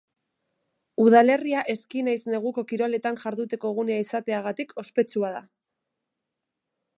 Udalerria eski nahiz neguko kiroletan jarduteko gunea izateagatik ospetsua da.